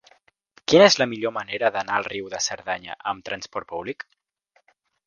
Quina és la millor manera d'anar a Riu de Cerdanya amb trasport públic?